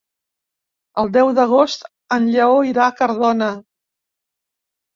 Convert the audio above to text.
El deu d'agost en Lleó irà a Cardona.